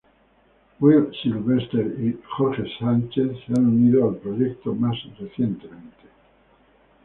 Will Sylvester y Jorge Sanchez se han unido al proyecto más recientemente.